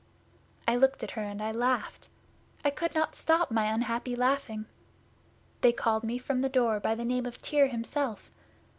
I looked at her and I laughed. I could not stop my unhappy laughing. They called me from the door by the name of Tyr himself.